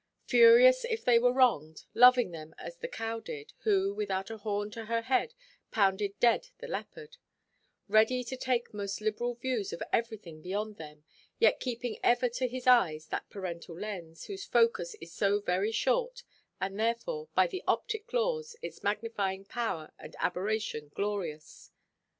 Furious if they were wronged, loving them as the cow did (who, without a horn to her head, pounded dead the leopard), ready to take most liberal views of everything beyond them, yet keeping ever to his eyes that parental lens, whose focus is so very short, and therefore, by the optic laws, its magnifying power and aberration glorious.